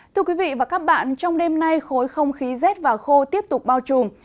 thưa quý vị và các bạn trong đêm nay khối không khí rét và khô tiếp tục bao trùm